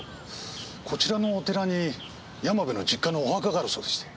こちらのお寺に山部の実家のお墓があるそうでして。